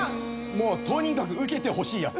もうとにかくウケてほしいヤツ。